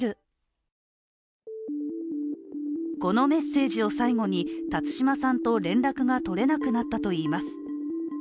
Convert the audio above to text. このメッセージを最後に辰島さんと連絡が取れなくなったといいます。